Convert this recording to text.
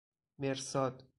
مرصاد